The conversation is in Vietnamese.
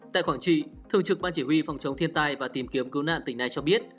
tại quảng trị thường trực ban chỉ huy phòng chống thiên tai và tìm kiếm cứu nạn tỉnh này cho biết